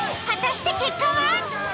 果たして結果は？